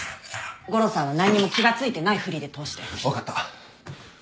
悟郎さんは何にも気が付いてないふりで通して分かった